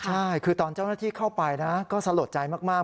ใช่คือตอนเจ้าหน้าที่เข้าไปนะก็สลดใจมาก